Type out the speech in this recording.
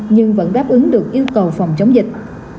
nhưng vẫn đáp ứng được yêu cầu phòng chống dịch